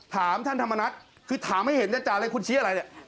ถามท่านธรรมนัฐคือถามให้เห็นอาจารย์เลยคุณชี้อะไรเนี่ย